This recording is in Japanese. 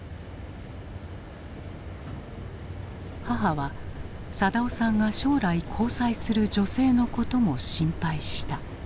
母は定男さんが将来交際する女性のことも心配した。